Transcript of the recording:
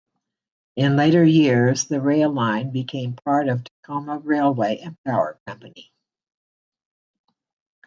In later years, the rail line became part of Tacoma Railway and Power Company.